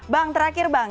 bang terakhir bang